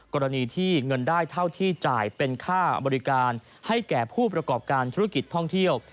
กรณีที่เงินได้เท่าที่จ่ายเป็นค่าบริการให้แก่ผู้ประกอบการธุรกิจท่องเที่ยว